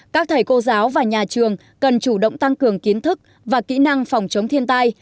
các thầy cô giáo và nhà trường cần chủ động tăng cường kiến thức và kỹ năng phòng chống thiên tai